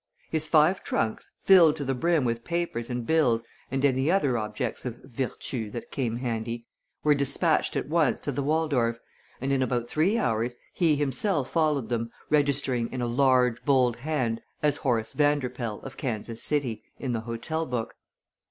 His five trunks, filled to the brim with papers and bills and any other objects of virtu that came handy, were dispatched at once to the Waldorf, and in about three hours he himself followed them, registering in a large, bold hand as Horace Vanderpoel, of Kansas City, in the hotel book.